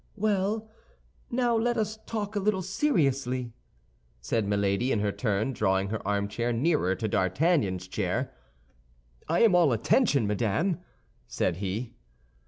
"Well, now let us talk a little seriously," said Milady, in her turn drawing her armchair nearer to D'Artagnan's chair. "I am all attention, madame," said he.